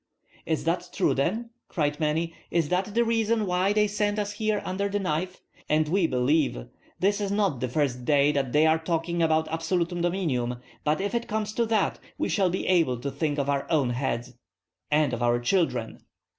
"Is that true then?" cried many. "Is that the reason why they sent us here under the knife? And we believe! This is not the first day that they are talking about absolutum dominium. But if it comes to that, we shall be able to think of our own heads." "And of our children."